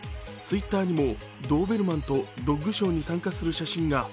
Ｔｗｉｔｔｅｒにもドーベルマンとドッグショーに参加する写真が。